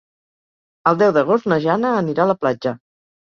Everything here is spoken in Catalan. El deu d'agost na Jana anirà a la platja.